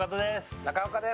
中岡です。